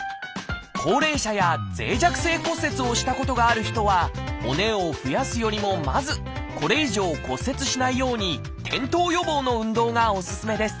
高齢者や脆弱性骨折をしたことがある人は骨を増やすよりもまずこれ以上骨折しないように転倒予防の運動がおすすめです。